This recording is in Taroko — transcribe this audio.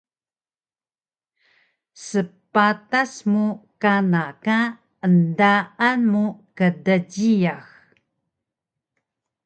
Sbatas mu kana ka endaan mu kdjiyax